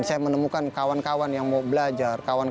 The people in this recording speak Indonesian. saya menemukan kawan kawan yang mau belajar